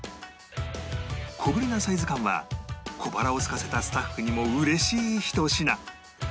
小ぶりなサイズ感は小腹をすかせたスタッフにも嬉しいひと品